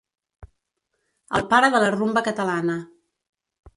El pare de la rumba catalana.